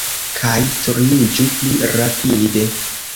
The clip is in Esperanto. Kaj turniĝu pli rapide!